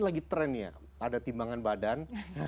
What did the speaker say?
lagi trend ya ada timbangan badan